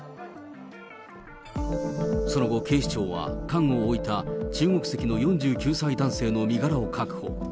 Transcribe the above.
その後、警視庁は缶を置いた中国籍の４９歳男性の身柄を確保。